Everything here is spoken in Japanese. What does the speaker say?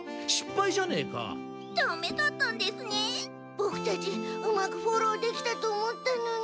ボクたちうまくフォローできたと思ったのに。